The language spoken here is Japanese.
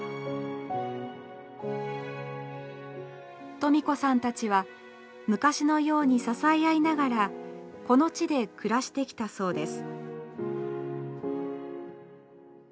トミ子さんたちは昔のように支え合いながらこの地で暮らしてきたそうです。